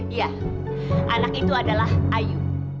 iya anak itu adalah ayu